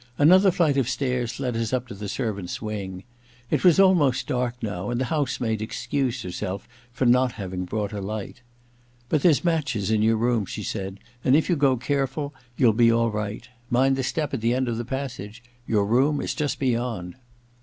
Another flight of stairs led us up to the servants' wing. It was almost dark now, and the house maid excused herself for not having brought a light. ' But there's matches in your room,' she said, ^ and if you go care ful you'll be all right. Mind the step at the end of the passage. Your room is just beyond.